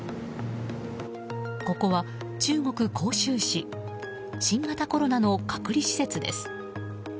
ここは中国・広州市新型コロナの隔離施設です。